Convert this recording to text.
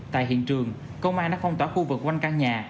tại hiện trường công an đã phong tỏa khu vực quanh căn nhà